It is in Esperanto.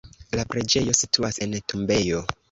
La preĝejo situas en tombejo.